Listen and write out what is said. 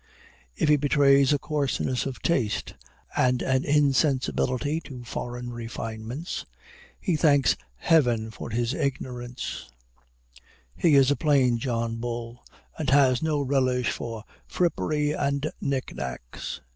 If he betrays a coarseness of taste, and an insensibility to foreign refinements, he thanks heaven for his ignorance he is a plain John Bull, and has no relish for frippery and nicknacks.